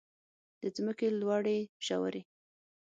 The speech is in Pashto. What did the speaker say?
د ځمکې لوړې ژورې.